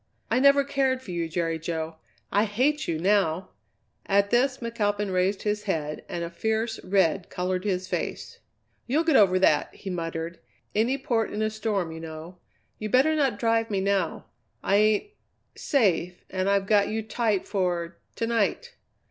"I never cared for you, Jerry Jo. I hate you, now!" At this McAlpin raised his head and a fierce red coloured his face. "You'll get over that!" he muttered. "Any port in a storm, you know. You better not drive me now! I ain't safe, and I've got you tight for to night!"